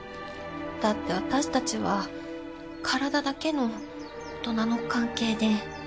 だって私たちは体だけの大人の関係で